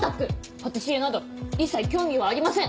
パティシエなど一切興味はありません！